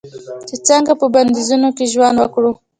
چې څنګه په بندیزونو کې ژوند وکړو.